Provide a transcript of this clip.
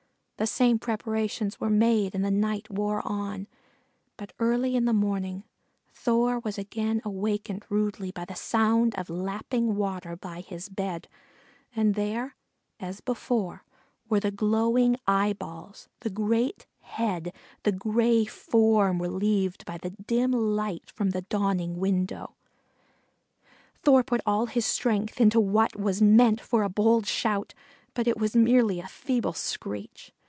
The same preparations were made, and the night wore on, but early in the morning, Thor was again awakened rudely by the sound of lapping water by his bed, and there, as before, were the glowing eyeballs, the great head, the gray form relieved by the dim light from the dawning window. Thor put all his strength into what was meant for a bold shout, but it was merely a feeble screech.